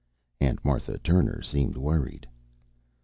Aunt Martha Turner seemed worried.